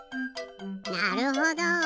なるほど。